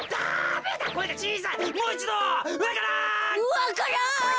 「わからん！」。